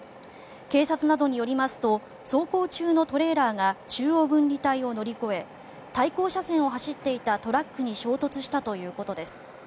警察などによりますと走行中のトレーラーが中央分離帯を乗り越え対向車線を走っていたトラックに衝突したということです。